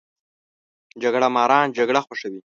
جګړه ماران جګړه خوښوي